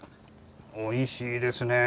おいしいですね。